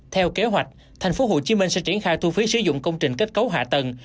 theo kế hoạch tp hcm sẽ triển khai thu phí sử dụng công trình kết cấu hạ tầng